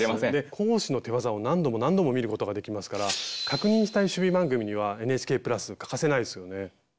講師の手わざを何度も何度も見ることができますから確認したい趣味番組にはＮＨＫ＋欠かせないですよね。